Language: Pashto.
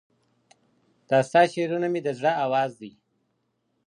دا ستا شعرونه مي د زړه آواز دى